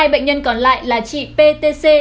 hai bệnh nhân còn lại là chị ptc